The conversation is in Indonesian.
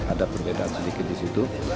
ada perbedaan sedikit di situ